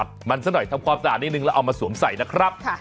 ทำความสะอาดนิดนึงแล้วเอามาสวมใส่นะครับ